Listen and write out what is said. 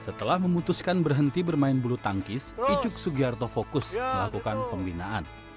setelah memutuskan berhenti bermain bulu tangkis icuk sugiarto fokus melakukan pembinaan